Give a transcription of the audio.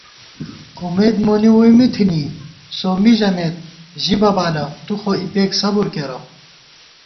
امېد مونی ووئی می تھنی سومّی ژَمېت ژِبہ بالہ تُو خو اِپېک صبُر کېرہ